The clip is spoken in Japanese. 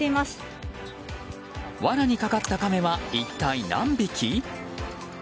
わなにかかったカメは一体何匹？